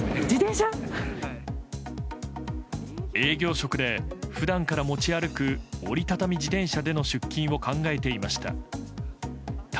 営業職で、普段から持ち歩く折りたたみ自転車での出勤も考えていました。